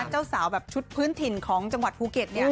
เจ้าสาวแบบชุดพื้นถิ่นของจังหวัดภูเก็ต